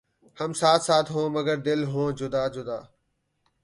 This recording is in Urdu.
ھم ساتھ ساتھ ہوں مگر دل ہوں جدا جدا